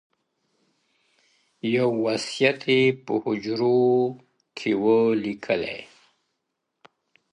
• یو وصیت یې په حُجره کي وو لیکلی,